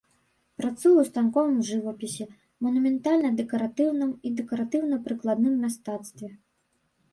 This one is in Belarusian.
Працуе ў станковым жывапісе, манументальна-дэкаратыўным і дэкаратыўна-прыкладным мастацтве.